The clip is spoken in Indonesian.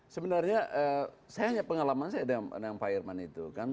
sebenarnya saya hanya pengalaman saya dengan pak irman itu kan